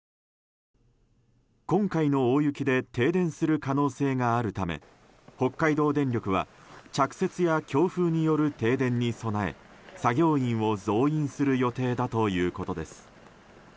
今回の大雪で停電する可能性があるため北海道電力は着雪や強風による停電に備え作業員を増員する予定だということです。